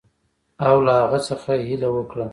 او له هغه څخه یې هیله وکړه.